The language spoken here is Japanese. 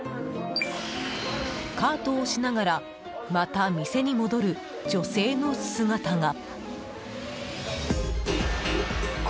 カートを押しながらまた店に戻る女性の姿が。